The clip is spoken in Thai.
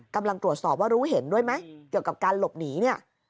กำลังตรวจสอบว่ารู้เห็นด้วยไหมเกี่ยวกับการหลบหนีเนี่ย